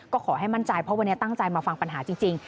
ก็ขอให้มั่นใจเพราะวันนี้ตั้งใจมาฟังปัญหาจริง